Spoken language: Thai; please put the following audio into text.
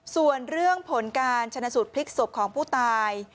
ส่วนเรื่องผลการชนะสูตรพลิกศพของผู้ตาย